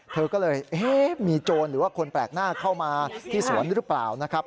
เธอก็เลยเอ๊ะมีโจรหรือว่าคนแปลกหน้าเข้ามาที่สวนหรือเปล่านะครับ